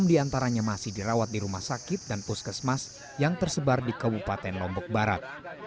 enam diantaranya masih dirawat di rumah sakit dan puskesmas yang tersebar di kabupaten lombok barat